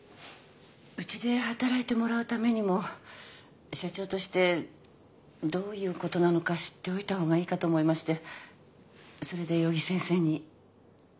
うちで働いてもらうためにも社長としてどういうことなのか知っておいた方がいいかと思いましてそれで余木先生に。